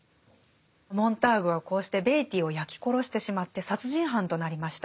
モンターグはこうしてベイティーを焼き殺してしまって殺人犯となりました。